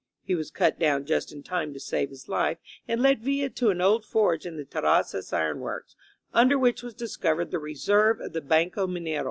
He was cut down just in time to save his life, and led Villa to an old forge in the Terrazzas iron works, under which was discovered the reserve of the Banco Minero.